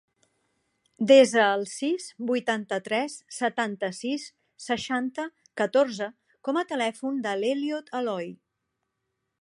Desa el sis, vuitanta-tres, setanta-sis, seixanta, catorze com a telèfon de l'Elliot Aloy.